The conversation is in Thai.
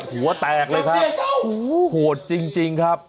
หัวแตกเลยครับโอ้โหโหดจริงครับ